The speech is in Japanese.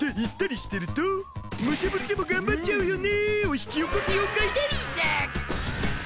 言ったりしてると無茶ぶりでも頑張っちゃうよね！を引き起こす妖怪でうぃす！